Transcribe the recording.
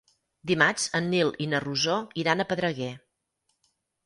Dimarts en Nil i na Rosó iran a Pedreguer.